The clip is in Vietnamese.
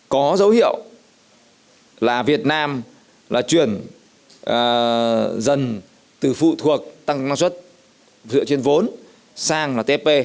có dấu hiệu là việt nam là chuyển dần từ phụ thuộc tăng năng suất dựa trên vốn sang là tp